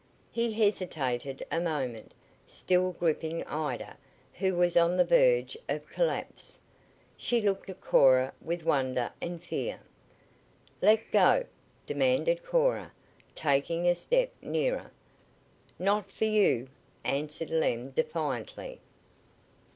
He hesitated a moment, still gripping Ida, who was on the verge of collapse. She looked at Cora with wonder and fear. "Let go!" demanded Cora, taking a step nearer. "Not for you!" answered Lem defiantly.